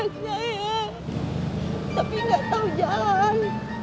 anak saya tapi gak tau jalan